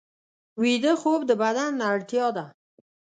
ویده خوب د بدن اړتیا ده